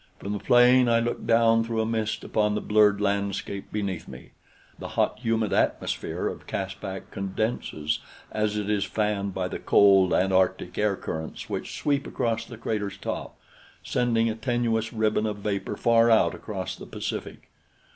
From the plane I looked down through a mist upon the blurred landscape beneath me. The hot, humid atmosphere of Caspak condenses as it is fanned by the cold Antarctic air currents which sweep across the crater's top, sending a tenuous ribbon of vapor far out across the Pacific.